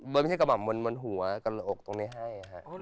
ไม่ใช่กระบ่อมมันบนหัวกระโหกตรงนี้ให้